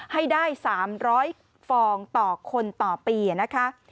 ให้ได้๓๐๐ฟองต่อคนต่อปีนะคะ